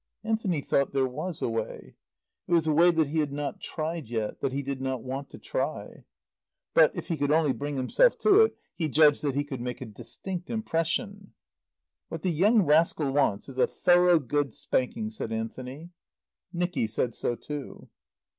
Anthony thought there was a way. It was a way he had not tried yet, that he did not want to try. But, if he could only bring himself to it, he judged that he could make a distinct impression. "What the young rascal wants is a thorough good spanking," said Anthony. Nicky said so too.